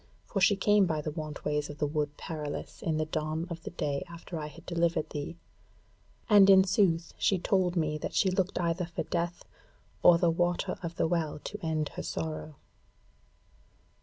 For she came by the want ways of the Wood Perilous in the dawn of the day after I had delivered thee; and in sooth she told me that she looked either for Death, or the Water of the Well to end her sorrow."